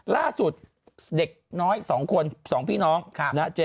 แล้วก็สะกิดพี่สาวนะ